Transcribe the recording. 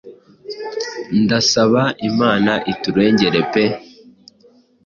ndasaba imana iturengere pe